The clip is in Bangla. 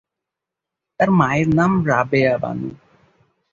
তার মায়ের নাম রাবেয়া বানু।